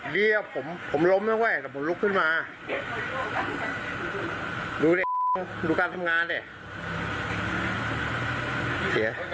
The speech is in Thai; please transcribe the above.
เรียบผมผมล้มนะเว้ยแต่ผมลุกขึ้นมาดูดูการทำงานเนี้ย